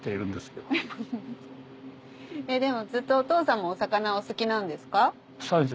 ずっとお父さんもお魚お好きなんですか？